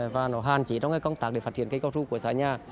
và nó hàn chế trong công tác để phát triển cây cao su của xã nhà